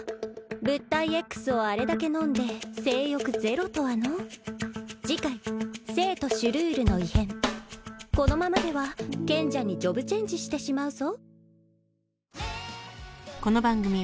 物体Ｘをあれだけ飲んで性欲ゼロとはの次回聖都シュルールの異変このままでは賢者にジョブチェンジしてしまうぞ